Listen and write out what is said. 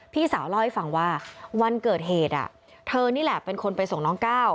พี่สาวเล่าให้ฟังว่าวันเกิดเหตุเธอนี่แหละเป็นคนไปส่งน้องก้าว